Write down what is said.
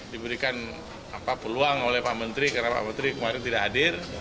diberikan peluang oleh pak menteri karena pak menteri kemarin tidak hadir